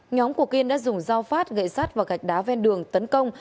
nhóm của kiên đã dùng dao phát gậy sát và gạch đá ven đường tấn công